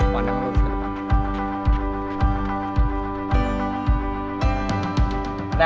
pandangan lurus ke depan